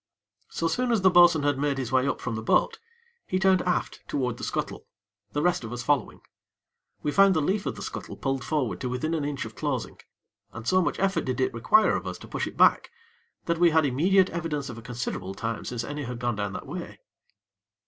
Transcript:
So soon as the bo'sun had made his way up from the boat, he turned aft toward the scuttle, the rest of us following. We found the leaf of the scuttle pulled forward to within an inch of closing, and so much effort did it require of us to push it back, that we had immediate evidence of a considerable time since any had gone down that way.